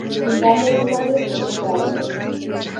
د ګل دانۍ ګلان ډېر ښکلي ښکاري.